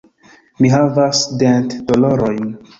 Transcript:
Mi havas dentdolorojn.